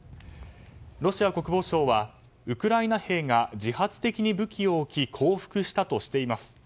ロシア国防省はウクライナ兵が自発的に武器を置き降伏したとしています。